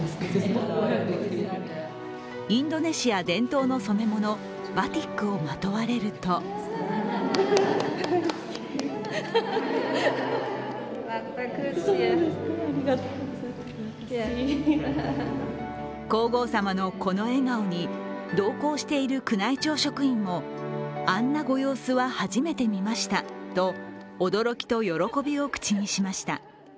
インドネシア伝統の染め物、バティックをまとわれると皇后さまのこの笑顔に同行している宮内庁職員もあんなご様子は初めて見ましたと驚きと喜びを口にしました。